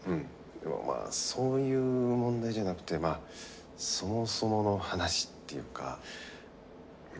でもまあそういう問題じゃなくてそもそもの話っていうか。